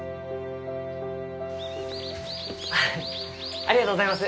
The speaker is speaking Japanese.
ハハありがとうございます。